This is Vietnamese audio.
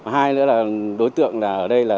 hai nữa là đối tượng ở đây